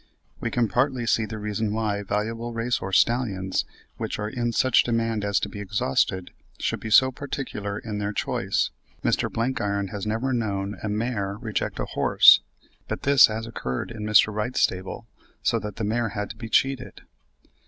We can partly see the reason why valuable race horse stallions, which are in such demand as to be exhausted, should be so particular in their choice. Mr. Blenkiron has never known a mare reject a horse; but this has occurred in Mr. Wright's stable, so that the mare had to be cheated.